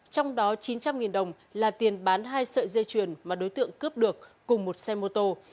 trong đó chín trăm linh đồng là tiền bán hai sợi dây chuyền mà đối tượng cướp được cùng một xe mô tô